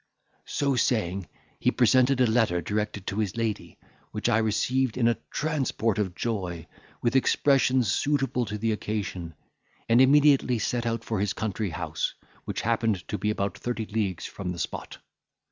So saying, he presented a letter, directed to his lady, which I received in a transport of joy, with expressions suitable to the occasion, and immediately set out for his country house, which happened to be about thirty leagues from the spot.